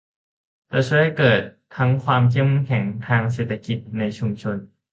จะช่วยให้เกิดทั้งความเข้มแข็งทางเศรษฐกิจในชุมชน